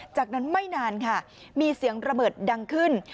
จากนั้นไม่นานค่ะมีเสียงระเบิดดังขึ้น